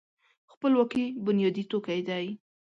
خپلواکي بنیادي توکی دی.